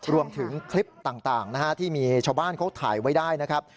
รวมถึงคลิปต่างนะฮะที่มีชาวบ้านเขาถ่ายไว้ได้นะครับ